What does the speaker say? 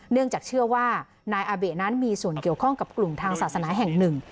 เนื่องจากเชื่อว่านายอาเบะนั้นมีส่วนเกี่ยวข้องกับกลุ่มทางศาสนาแห่งหนึ่ง